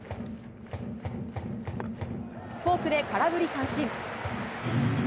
フォークで空振り三振。